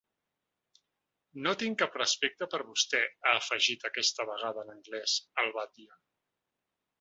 No tinc cap respecte per vostè, ha afegit, aquesta vegada en anglès, el batlle.